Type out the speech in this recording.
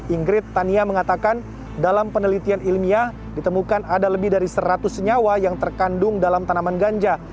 ingrid tania mengatakan dalam penelitian ilmiah ditemukan ada lebih dari seratus senyawa yang terkandung dalam tanaman ganja